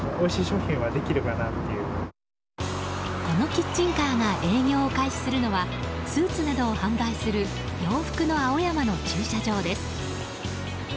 このキッチンカーが営業を開始するのはスーツなどを販売する洋服の青山の駐車場です。